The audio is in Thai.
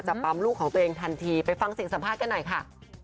ปั๊มลูกของตัวเองทันทีไปฟังเสียงสัมภาษณ์กันหน่อยค่ะ